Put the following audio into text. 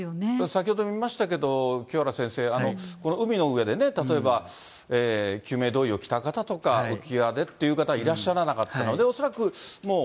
先ほど見ましたけど、清原先生、この海の上で、例えば救命胴衣を着た方とか、浮き輪でっていう方はいらっしゃらなかったので、恐らくもう